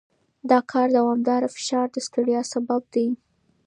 د کار دوامداره فشار د ستړیا سبب دی.